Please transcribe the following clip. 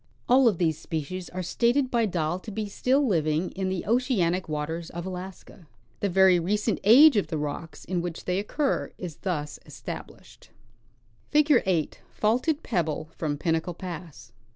All of these species are stated by Dall to be still living in the oceanic waters of Alaska. The very recent age of the rocks in .which they occur is thus established. Figure 8 — Faulted Pebble from Pinnacle Pass.